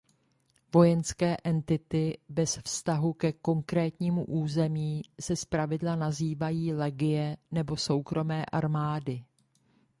Vojenské entity bez vztahu ke konkrétnímu území se zpravidla nazývají legie nebo soukromé armády.